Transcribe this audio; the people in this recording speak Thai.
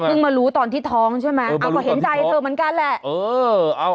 มารู้ตอนที่ท้องใช่ไหมเอาก็เห็นใจเธอเหมือนกันแหละ